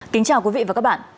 kính chào quý vị và các bạn